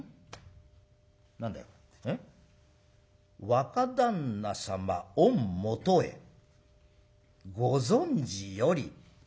『若旦那様御許へご存じより』。